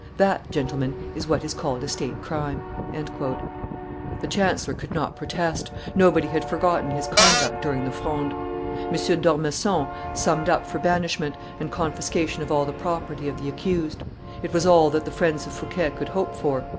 That, gentlemen, is what is called a state crime." The chancellor could not protest; nobody had forgotten his conduct during the Fronde. M. d'Ormesson summed up for banishment, and confiscation of all the property of the accused; it was all that the friends of Fouquet could hope for.